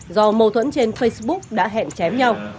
do mâu thuẫn trên facebook đã hẹn chém nhau